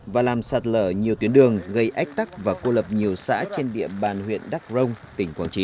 và làm sạt lở nhiều tuyến đường gây ách tắc và cô lập nhiều xã trên địa bàn huyện đắk rông tỉnh quảng trị